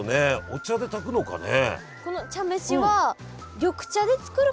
お茶で炊くのかね？